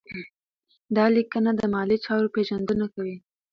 دا لیکنه د مالي چارو پیژندنه کوي.